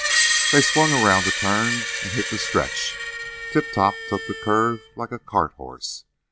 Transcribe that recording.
"They swung around the turn and hit the stretch. Tip Top took the curve like a cart horse.